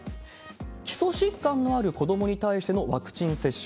基礎疾患のある子どもに対してのワクチン接種。